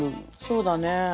そうだね。